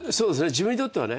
自分にとってはね。